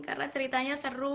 karena ceritanya seru